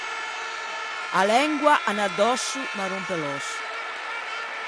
A lengua a n’à d’òsso, ma a rompe l’òsso.